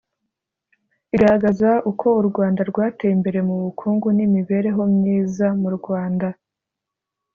Igaragaza uko urwanda rwateye imbere mu bukungu n imibereho myiza mu rwanda